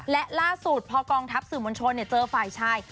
และล่าสุดพอกองทัพสื่อมวลชนเจอฝ่ายชาย